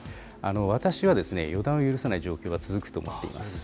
私は予断を許さない状況が続くと見ています。